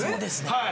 はい。